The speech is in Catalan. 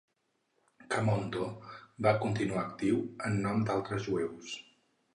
Camondo va continuar actiu en nom d'altres jueus.